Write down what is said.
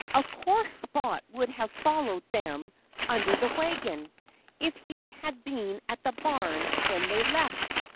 Of course Spot would have followed them, under the wagon, if he had been at the barn when they left.